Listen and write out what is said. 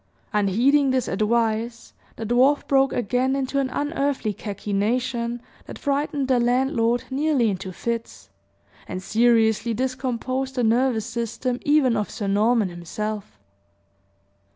Unheeding this advice, the dwarf broke again into an unearthly cachinnation, that frightened the landlord nearly into fits, and seriously discomposed the nervous system even of Sir Norman himself.